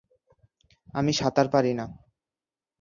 আমি সাঁতার পারি না!